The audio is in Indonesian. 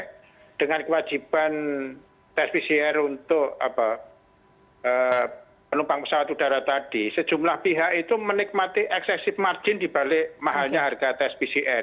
nah dengan kewajiban tes pcr untuk penumpang pesawat udara tadi sejumlah pihak itu menikmati eksesif margin dibalik mahalnya harga tes pcr